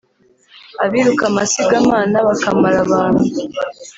Abiruka amasigamana bakamara abantu